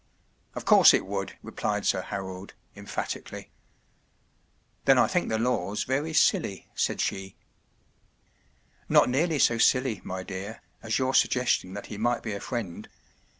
” “ Of course it would,” replied Sir Harold, emphatically. “ Then I think the law’s very silly,” said she. “ Not nearly so silly, my dear, as your suggestion that he might be a friend.